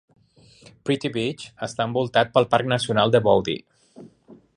Pretty Beach està envoltat pel parc nacional de Bouddi.